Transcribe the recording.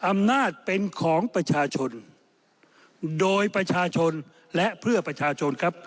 อำนาจเป็นของประชาชนโดยประชาชนและเพื่อประชาชนครับ